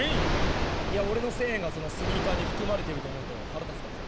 俺の１０００円がスニーカーに含まれていると思うと腹立つから。